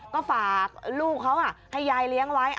ก็ฝากลูกเขาให้ยายเลี้ยงไว้